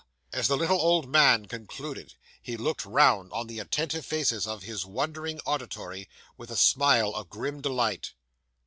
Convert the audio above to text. As the little old man concluded, he looked round on the attentive faces of his wondering auditory with a smile of grim delight.